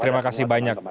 terima kasih banyak